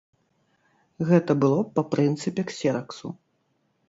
Гэта было б па прынцыпе ксераксу.